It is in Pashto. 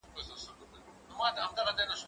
زه پرون انځورونه رسم کړل؟